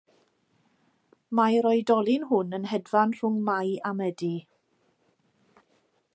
Mae'r oedolyn hwn yn hedfan rhwng Mai a Medi.